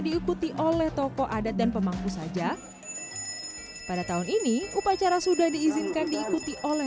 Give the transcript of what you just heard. diikuti oleh tokoh adat dan pemangku saja pada tahun ini upacara sudah diizinkan diikuti oleh